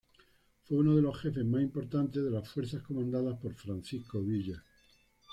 Fue uno de los jefes más importantes de las fuerzas comandadas por Francisco Villa.